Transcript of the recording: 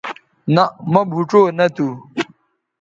نہء مہ بھوڇؤ نہ تھو